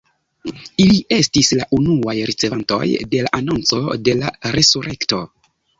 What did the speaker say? Ili estis la unuaj ricevantoj de la anonco de la resurekto.